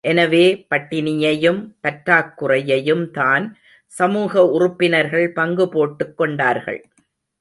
எனவே பட்டினியையும் பற்றாக் குறையையும்தான் சமூக உறுப்பினர்கள் பங்கு போட்டுக் கொண்டார்கள்.